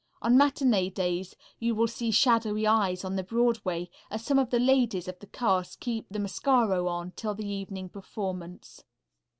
On matinee days you will see shadowy eyes on Broadway, as some of the ladies of the cast keep the mascaro on till the evening performance.